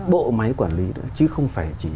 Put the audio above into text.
bộ máy quản lý nữa chứ không phải chỉ